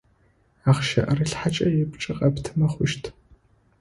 Ахъщэ ӏэрылъхьэкӏэ ыпкӏэ къэптымэ хъущт.